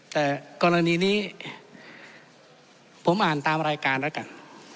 แต่กรณีนี้ผมอ่านตามรายการแล้วกัน